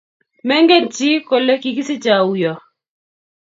Menget chii kole kikisichei auyo